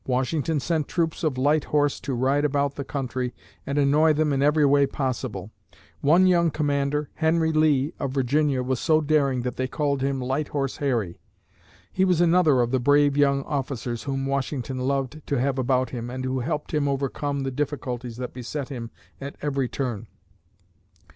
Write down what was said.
Washington sent troops of light horse to ride about the country and annoy them in every way possible. One young commander, Henry Lee, of Virginia, was so daring that they called him "Light Horse Harry." He was another of the brave young officers whom Washington loved to have about him and who helped him overcome the difficulties that beset him at every turn.